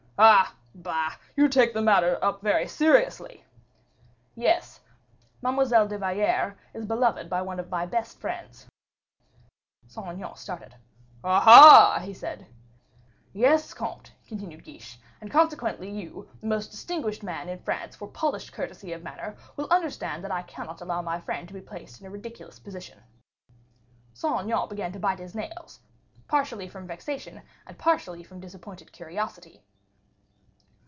"Ah! bah! you take the matter up very seriously." "Yes; Mademoiselle de Valliere is beloved by one of my best friends." Saint Aignan started. "Aha!" he said. "Yes, comte," continued Guiche; "and consequently, you, the most distinguished man in France for polished courtesy of manner, will understand that I cannot allow my friend to be placed in a ridiculous position." Saint Aignan began to bite his nails, partially from vexation, and partially from disappointed curiosity.